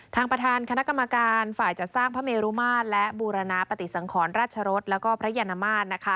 ทางประธานคณะกรรมการฝ่ายจัดสร้างพระเมรุมาตรและบูรณปฏิสังขรราชรสแล้วก็พระยานมาตรนะคะ